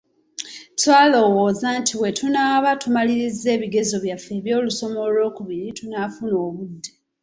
Twalowooza nti bwe tunaaba tumalirizza ebigezo byaffe eby’olusoma olwokubiri tunaafuna obudde.